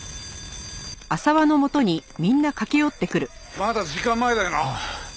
まだ時間前だよな！？